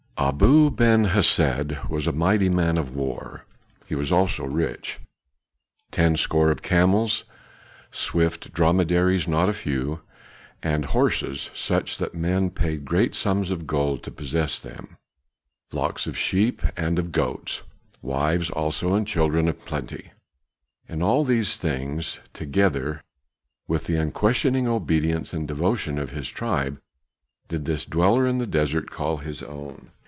Abu Ben Hesed was a mighty man of war, he was also rich. Ten score of camels, swift dromedaries not a few, and horses, such that men paid great sums of gold to possess them; flocks of sheep and of goats; wives also and children in plenty; all of these things, together with the unquestioning obedience and devotion of his tribe, did this dweller in the desert call his own.